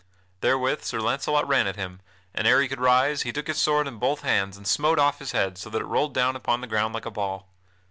Therewith Sir Launcelot ran at him, and, ere he could rise, he took his sword in both hands and smote off his head so that it rolled down upon the ground like a ball.